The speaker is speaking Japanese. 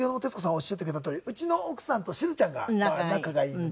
おっしゃってくれたとおりうちの奥さんとしずちゃんが仲がいいので。